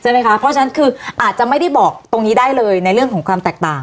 เพราะฉะนั้นคืออาจจะไม่ได้บอกตรงนี้ได้เลยในเรื่องของความแตกต่าง